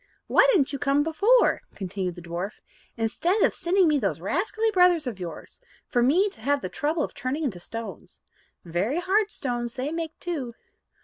"Why didn't you come before," continued the dwarf, "instead of sending me those rascally brothers of yours, for me to have the trouble of turning into stones? Very hard stones they make too."